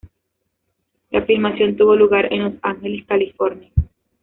La filmación tuvo lugar en Los Ángeles, California.